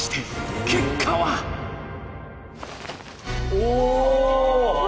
おお！